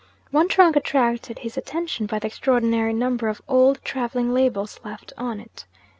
One trunk attracted his attention by the extraordinary number of old travelling labels left on it.